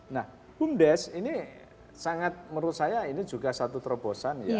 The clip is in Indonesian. nah bumdes ini sangat menurut saya ini juga satu terobosan ya